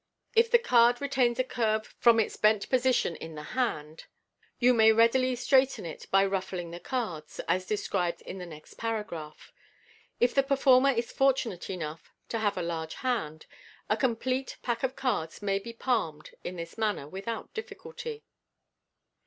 If the card retains a curve from its bent position in the hand, } ou may readily straighten it by ruffling the cards, as described in the next paragraph. If the performer is fortunate enough to have a large hand, a complete pack of cards may be palmed in this manner without difficulty.